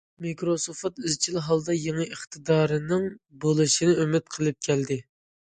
مىكروسوفت ئىزچىل ھالدا يېڭى ئىقتىدارنىڭ بولۇشىنى ئۈمىد قىلىپ كەلدى.